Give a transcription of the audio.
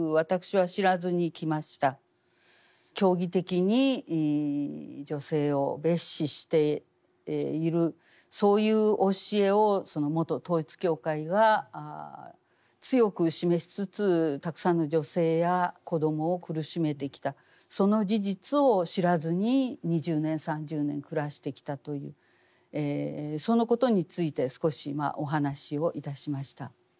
教義的に女性を蔑視しているそういう教えを元統一教会が強く示しつつたくさんの女性や子どもを苦しめてきたその事実を知らずに２０年３０年暮らしてきたというそのことについて少しお話をいたしました。